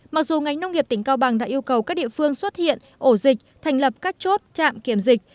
mặc dù ngành nông nghiệp tỉnh cao bằng đã yêu cầu các địa phương xuất hiện ổ dịch thành lập các chốt trạm kiểm dịch